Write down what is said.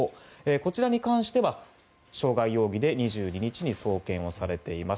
こちらに関しては傷害容疑で２２日に送検されています。